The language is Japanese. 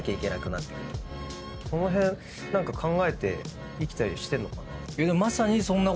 その辺考えて生きたりしてんのかなって。